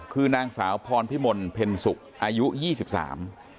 คือนางสาวพรพิมลเพ็ญสุขอายุยี่สิบสาม